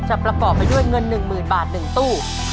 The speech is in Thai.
ประกอบไปด้วยเงิน๑๐๐๐บาท๑ตู้